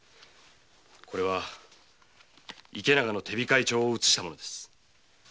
これは池永の手控え帳を写したものです。